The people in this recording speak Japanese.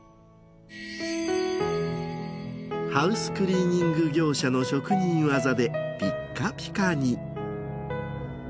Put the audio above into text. ハウスクリーニング業者の職人技でピッカピカに。